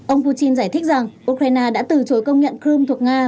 ông putin giải thích rằng ukraine đã từ chối công nhận crimea thuộc nga